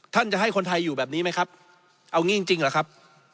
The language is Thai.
ท่านจะให้คนไทยอยู่แบบนี้ไหมครับเอางี้จริงจริงเหรอครับ